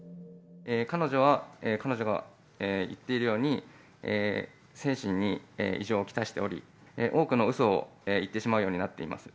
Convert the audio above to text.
彼女は、彼女が言っているように、精神に異常を来しており、多くのうそを言ってしまうようになっています。